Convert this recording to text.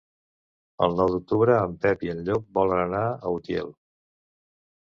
El nou d'octubre en Pep i en Llop volen anar a Utiel.